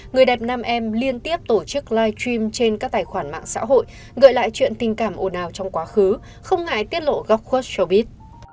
người đẹp nam em liên tiếp tổ chức live stream trên các tài khoản mạng xã hội gợi lại chuyện tình cảm ồn ào trong quá khứ không ngại tiết lộ góc khuất chobit